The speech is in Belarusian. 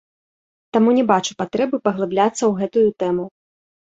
Таму не бачу патрэбы паглыбляцца ў гэтую тэму.